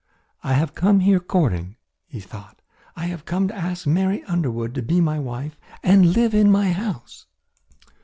"I have come here courting," he thought; "I have come to ask Mary Underwood to be my wife and live in my house."